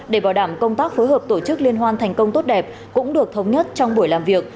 để bảo đảm công tác phối hợp tổ chức liên hoan thành công tốt đẹp cũng được thống nhất trong buổi làm việc